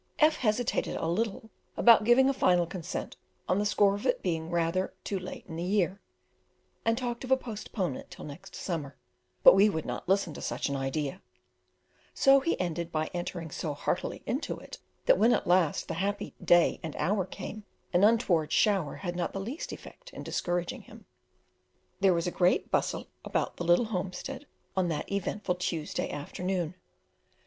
F hesitated a little about giving a final consent on the score of its being rather too late in the year, and talked of a postponement till next summer, but we would not listen to such an idea; so he ended by entering so heartily into it, that when at last the happy day and hour came, an untoward shower had not the least effect in discouraging him. There was a great bustle about the little homestead on that eventful Tuesday afternoon.